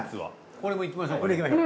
これいきましょう。